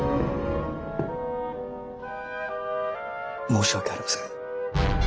申し訳ありません。